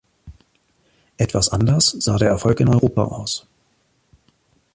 Etwas anders sah der Erfolg in Europa aus.